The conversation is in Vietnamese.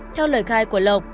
theo lời khai của lộc